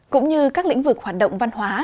cũng như các lĩnh vực hoạt động văn hóa